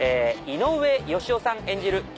井上芳雄さん演じる